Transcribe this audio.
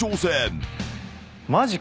マジか。